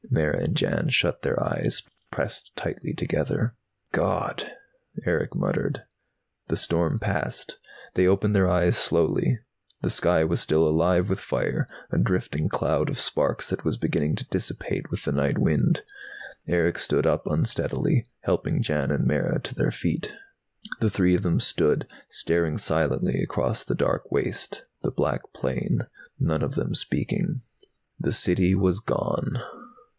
Mara and Jan shut their eyes, pressed tightly together. "God " Erick muttered. The storm passed. They opened their eyes slowly. The sky was still alive with fire, a drifting cloud of sparks that was beginning to dissipate with the night wind. Erick stood up unsteadily, helping Jan and Mara to their feet. The three of them stood, staring silently across the dark waste, the black plain, none of them speaking. The City was gone.